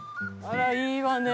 あらいいわね。